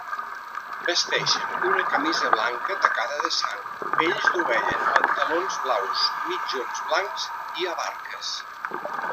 Vesteixen una camisa blanca tacada de sang, pells d'ovella, pantalons blaus, mitjons blancs i avarques.